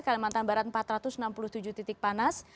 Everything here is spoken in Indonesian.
kalimantan barat empat ratus enam puluh tujuh titik panas